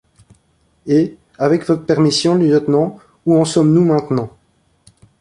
Et, avec votre permission, lieutenant, où en sommes-nous maintenant?